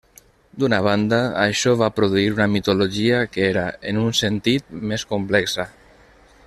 D'una banda, això va produir una mitologia que era, en un sentit, més complexa.